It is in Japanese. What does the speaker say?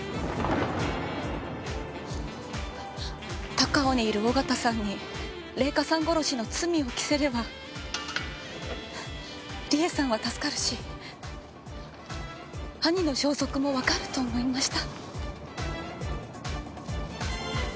高尾にいる小形さんに礼香さん殺しの罪を着せれば理絵さんは助かるし兄の消息もわかると思いました。